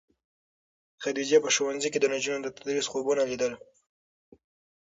خدیجې په ښوونځي کې د نجونو د تدریس خوبونه لیدل.